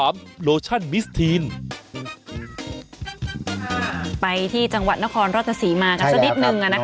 ไปที่จังหวัดนครราชศรีมากันสักนิดนึง